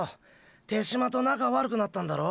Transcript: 手嶋と仲わるくなったんだろ。